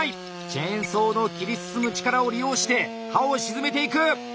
チェーンソーの切り進む力を利用して刃を沈めていく。